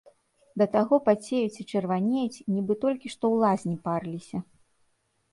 Да таго пацеюць і чырванеюць, нібы толькі што ў лазні парыліся.